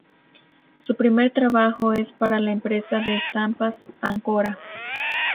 Su primer trabajo es para la empresa de estampas Ancora.